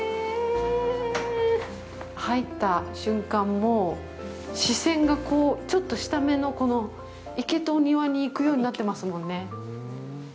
入った瞬間、もう視線がこう、ちょっと下目のこの池とお庭に行くようになってますもんね。